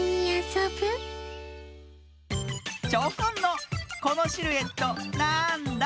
チョコンの「このシルエットなんだ？」